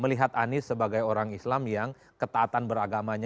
melihat anies sebagai orang islam yang ketaatan beragamanya